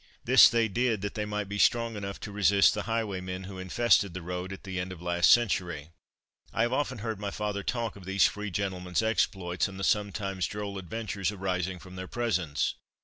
This they did that they might be strong enough to resist the highwaymen who infested the roads at the end of the last century. I have often heard my father talk of these free gentlemen's exploits, and the sometimes droll adventures arising from their presence.